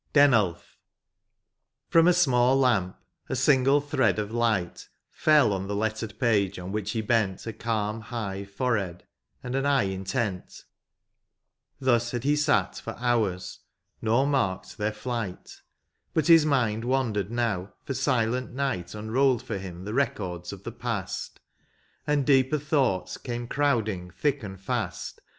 DENULF. From a small lamp a single thread of light Fell on the lettered page on which he hent A cahn, high forehead, and an eye intent : Thus had he sat for hours, nor marked their flight ; But his mind wandered now, for silent night Unrolled for him the records of the past, And deeper thoughts came crowding, thick and fast.